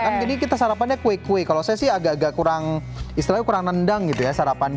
nah ini kita sarapannya kue kue kalau saya sih agak kurang istilahnya kurang rendang gitu ya sarapan kue